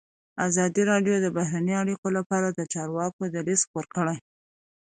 ازادي راډیو د بهرنۍ اړیکې لپاره د چارواکو دریځ خپور کړی.